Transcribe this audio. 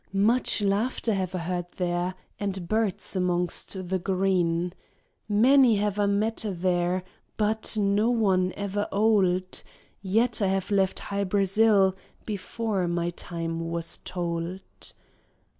Much laughter have I heard there, And birds amongst the green. Many have I met there, But no one ever old, Yet I have left Hy Brasail Before my time was told.